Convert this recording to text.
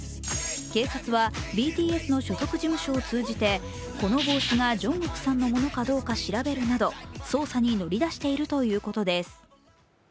警察はＢＴＳの所属事務所を通じて、この帽子が、ＪＵＮＧＫＯＯＫさんのものかどうか調べるなど、捜査に乗り出しているということです。